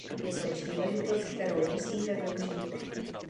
Je to příležitost, kterou musíme využít.